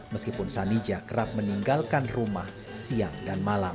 meskipun sanija kerap meninggalkan rumah siang dan malam